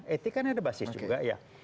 etik kan ada basis juga ya